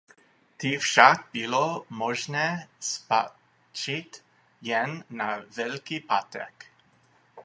Ty však bylo možné spatřit jen na Velký pátek.